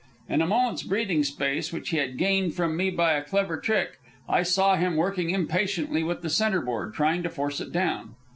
In a moment's breathing space, which he had gained from me by a clever trick, I saw him working impatiently with the centre board, trying to force it down.